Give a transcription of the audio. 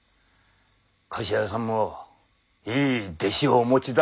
柏屋さんもいい弟子をお持ちだ。